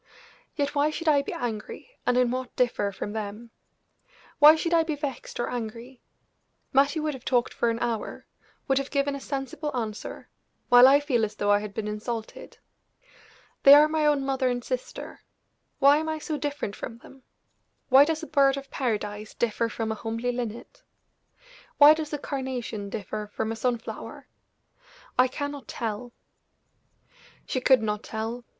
"Yet, why should I be angry, and in what differ from them? Why should I be vexed or angry? Mattie would have talked for an hour would have given a sensible answer, while I feel as though I had been insulted. They are my own mother and sister why am I so different from them? Why does a bird of paradise differ from a homely linnet? Why does a carnation differ from a sun flower? I cannot tell." She could not tell.